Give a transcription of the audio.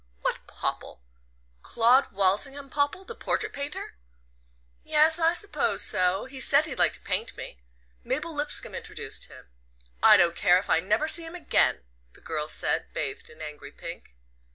"What Popple? Claud Walsingham Popple the portrait painter?" "Yes I suppose so. He said he'd like to paint me. Mabel Lipscomb introduced him. I don't care if I never see him again," the girl said, bathed in angry pink.